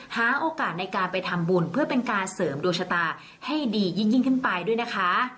หาโอกาสในการไปทำบุญเพื่อเป็นการเสริมดวงชะตาให้ดียิ่งขึ้นไปด้วยนะคะ